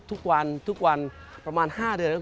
อย่างที่ทำเพราะโทษกันก็เพราะเก่า